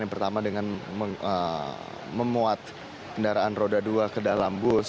yang pertama dengan memuat kendaraan roda dua ke dalam bus